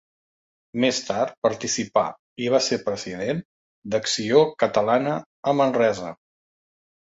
Més tard participà i va ser president d'Acció Catalana a Manresa.